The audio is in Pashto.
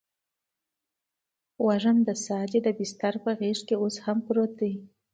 وږم د ساه دی دبسترپه غیږکې اوس هم پروت دي